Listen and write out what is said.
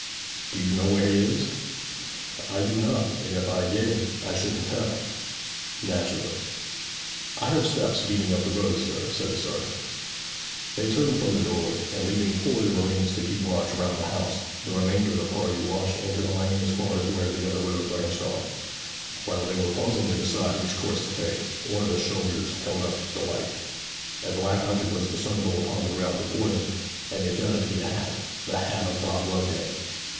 'Do you know where he is?' 'I do not; and if I did I shouldn't tell.' 'Naturally.' 'I heard steps beating up the road, sir,' said the sergeant. They turned from the door, and leaving four of the marines to keep watch round the house, the remainder of the party marched into the lane as far as where the other road branched off. While they were pausing to decide which course to take, one of the soldiers held up the light. A black object was discernible upon the ground before them, and they found it to be a hat the hat of Bob Loveday.